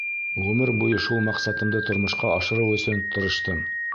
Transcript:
Ғүмер буйы шул маҡсатымды тормошҡа ашырыу өсөн тырыштым.